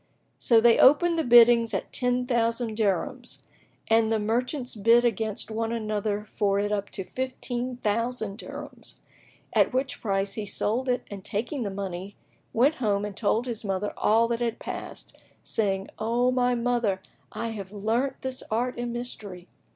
So they opened the biddings at ten thousand dirhams and the merchants bid against one another for it up to fifteen thousand dirhams,[FN#16] at which price he sold it and taking the money, went home and told his mother all that had passed, saying, "O my mother, I have learnt this art and mystery."